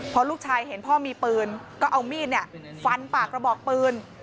พอลูกชายเห็นพ่อมีปืนก็เอามีดฟันปากกระบอกปืน